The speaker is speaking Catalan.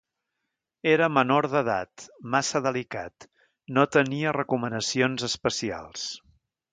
Era menor d'edat, massa delicat; no tenia recomanacions especials.